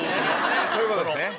そういう事ですね。